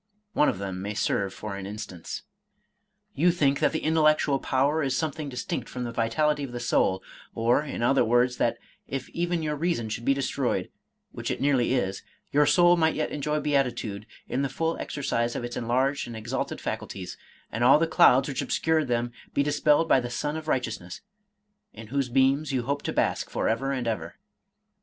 One of them may serve for an instance.) " You think that the intellectual power is something dis tinct from the vitality of the soul, or, in other words, that if even your reason should be destroyed (which it nearly is), your soul might yet enjoy beatitude in the full exercise of its enlarged and exalted faculties, and all the clouds which obscured them be dispelled by the Sun of Righteous ness, in whose beams you hope to bask forever and ever.